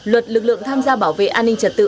luật lực lượng tham gia bảo vệ an ninh trật tự